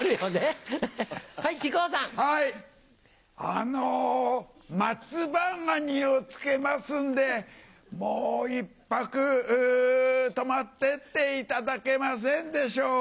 あのマツバガニをつけますんでもう１泊泊まってっていただけませんでしょうか。